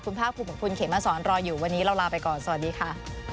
คุณภาคภูมิกับคุณเขมมาสอนรออยู่วันนี้เราลาไปก่อนสวัสดีค่ะ